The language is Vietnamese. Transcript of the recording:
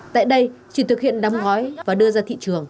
tại đây chỉ thực hiện đóng gói và đưa ra thị trường